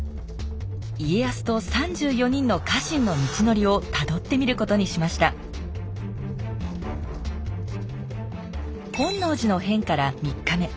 家康と３４人の家臣の道のりをたどってみることにしました本能寺の変から３日目。